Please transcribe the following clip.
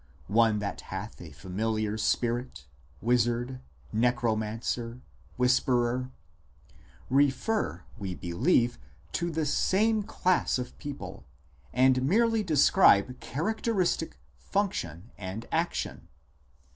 NECROMANCY 135 " one that hath a familiar spirit," " wizard," " necro mancer," "whisperer" refer, we believe, to the same class of people, and merely describe characteristic, func tion, and action.